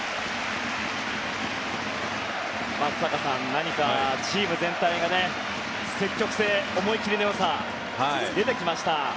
何かチーム全体が、積極性思い切りの良さが出てきました。